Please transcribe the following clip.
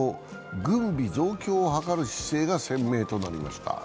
軍備増強を図る姿勢が鮮明となりました。